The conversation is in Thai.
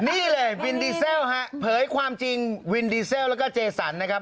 นี่เลยวินดีเซลฮะเผยความจริงวินดีเซลแล้วก็เจสันนะครับ